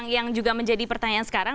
yang juga menjadi pertanyaan sekarang